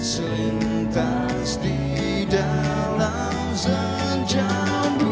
selintas di dalam senjamku